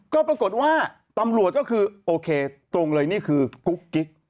ก็ปรากฏว่าตำรวจก็คือโอเคตรงเลยนี่คือกุ๊กกิ๊ก